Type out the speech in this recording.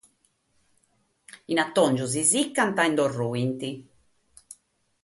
In atòngiu si nche sicant e nche calant.